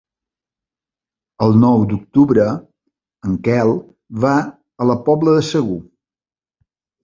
El nou d'octubre en Quel va a la Pobla de Segur.